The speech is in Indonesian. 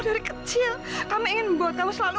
dari kecil kami ingin membuat kamu selalu